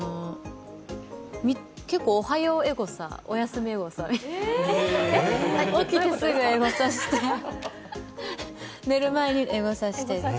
結構、おはようエゴサ、おやすみエゴサ起きてすぐエゴサして、寝る前にエゴサして。